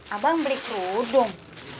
abang beli kerudung